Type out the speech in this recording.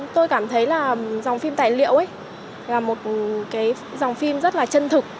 tôi cảm thấy là dòng phim tài liệu là một dòng phim rất là chân thực